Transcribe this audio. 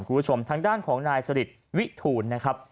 คุณผู้ชมทางด้านของนายสริตวิทูลนะครับ